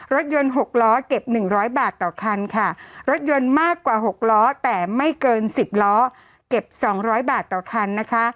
รถยนต์๖ล้อเก็บ๑๐๐บาทต่อคันค่ะรถยนต์มากกว่า๖ล้อแต่ไม่เกิน๑๐ล้อเก็บ๒๐๐บาทต่อคันนะคะ